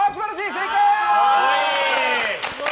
正解！